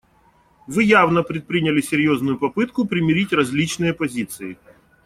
Вы явно предприняли серьезную попытку примирить различные позиции.